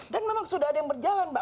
dan memang sudah ada yang berjalan mbak